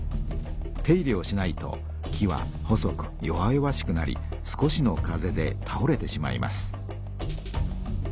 手入れをしないと木は細く弱々しくなり少しの風でたおれてしまいます。